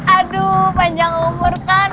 aduh panjang umur kan